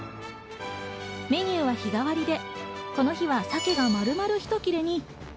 メニューは日替わりで、この時は鮭が丸々ひと切れに。